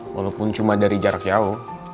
walaupun cuma dari jarak jauh